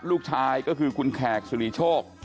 ลูกชายก็คือคุณแขกสุริโชค